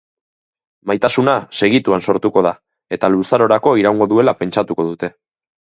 Maitasuna segituan sortuko da, eta luzarorako iraungo duela pentsatuko dute.